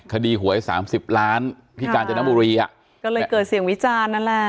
คดีหวย๓๐ล้านพิการจนบุรีอ่ะก็เลยเกิดเสียงวิจารณ์นั่นแหละ